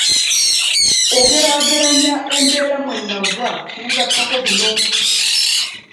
Ogeraageranya embeera mwe wava n'ogattako bino.